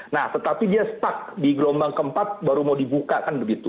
nah tetapi dia stuck di gelombang keempat baru mau dibuka kan begitu